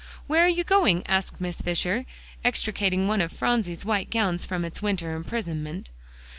"Where are you going?" asked Mrs. Fisher, extricating one of Phronsie's white gowns from its winter imprisonment.